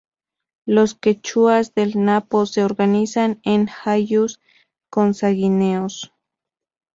Los quechuas del Napo se organizan en ayllus consanguíneos.